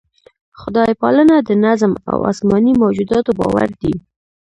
خدای پالنه د نظم او اسماني موجوداتو باور دی.